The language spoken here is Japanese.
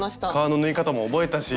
革の縫い方も覚えたし。